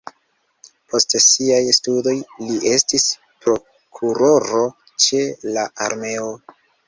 Post siaj studoj li estis prokuroro ĉe la armeo.